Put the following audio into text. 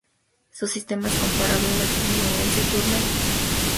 Su sistema es comparable a la estadounidense Turner Broadcasting Systems.